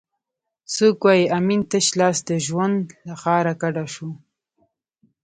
څوک وایي امین تش لاس د ژوند له ښاره کډه شو؟